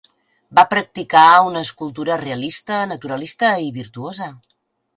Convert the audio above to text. Va practicar una escultura realista, naturalista i virtuosa.